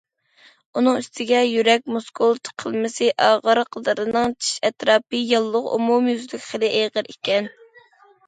ئۇنىڭ ئۈستىگە يۈرەك مۇسكۇل تىقىلمىسى ئاغرىقلىرىنىڭ چىش ئەتراپى ياللۇغى ئومۇميۈزلۈك خېلى ئېغىر ئىكەن.